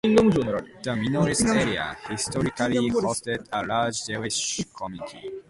The Minories area historically hosted a large Jewish community.